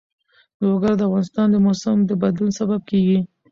لوگر د افغانستان د موسم د بدلون سبب کېږي.